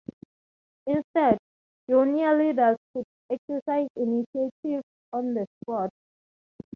Instead, junior leaders could exercise initiative on the spot.